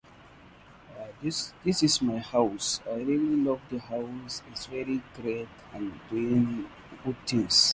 Simultaneously, Teo Fabi retired with engine problems.